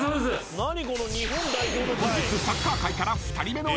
［本日サッカー界から２人目のエントリー］